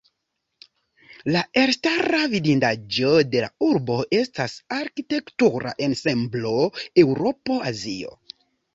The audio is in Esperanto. La elstara vidindaĵo de la urbo estas arkitektura ensemblo "Eŭropo-Azio".